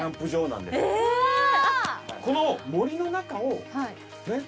この森の中をねっ？